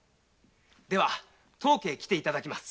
では当家に来ていただきます。